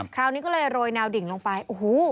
คราวนี้ก็เลยโรยแนวดิ่งลงไปโอ้โห